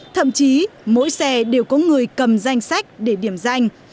thậm chí mỗi xe đều có người cầm danh sách để điểm danh